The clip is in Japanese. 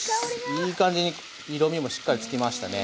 いい感じに色みもしっかりつきましたね。